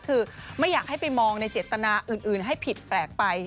คือไม่อยากให้ไปมองในเจตนาอื่นให้ผิดแปลกไป